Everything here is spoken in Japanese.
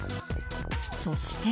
そして。